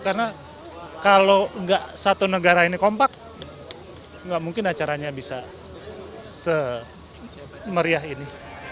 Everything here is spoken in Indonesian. karena kalau satu negara ini kompak nggak mungkin acaranya bisa semeriah ini